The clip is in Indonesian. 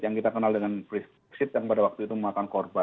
yang kita kenal dengan sit yang pada waktu itu memakan korban